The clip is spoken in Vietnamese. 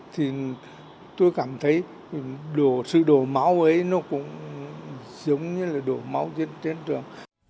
thì tôi cảm thấy đồ sự đổ máu ấy nó cũng giống như là đổ máu trên trường